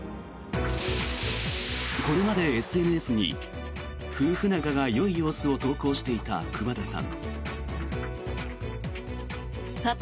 これまでＳＮＳに夫婦仲がよい様子を投稿していた熊田さん。